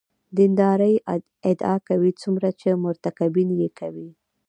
دیندارۍ ادعا کوي څومره چې مرتکبین یې کوي.